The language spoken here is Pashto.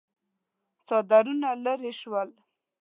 څادرونه ليرې شول.